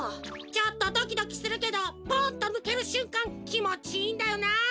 ちょっとドキドキするけどポンッとぬけるしゅんかんきもちいいんだよな！